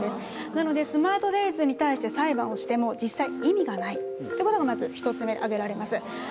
なのでスマートデイズに対して裁判をしても実際意味がないってことがまず１つ目挙げられます。